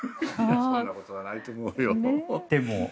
そんなことはないと思うよ。